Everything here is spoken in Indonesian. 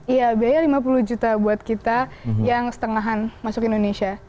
iya biaya lima puluh juta buat kita yang setengahan masuk indonesia